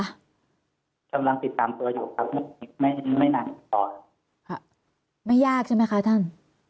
เป็นนะไม่อยากจะมีต่อข้ะไม่ยากใช่ไหมคะท่าน